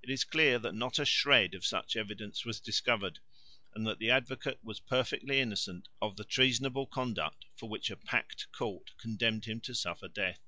It is clear that not a shred of such evidence was discovered, and that the Advocate was perfectly innocent of the treasonable conduct for which a packed court condemned him to suffer death.